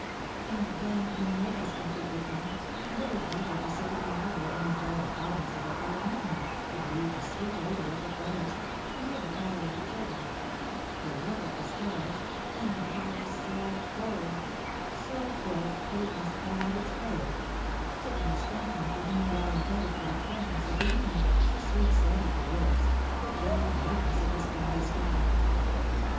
And then, when night has completely come, what a pleasure to sit in the arbour and enjoy the calmness of a fine evening, to breathe the sweet odour of the forest, to hear the prattle of the children, to look at the stars, then the heart is so full, so full that it must pour out its prayer; it must thank him to whom we are indebted for the freshness of the evening, the sweet scent of the woods, the gentle brightness of the starry sky!